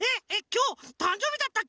きょうたんじょうびだったっけ？